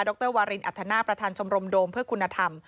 รวารินอัธนาประธานชมรมโดมเพื่อคุณธรรม